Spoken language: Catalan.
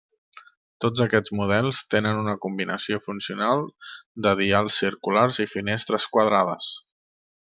Tots aquests models tenen una combinació funcional de dials circulars i finestres quadrades.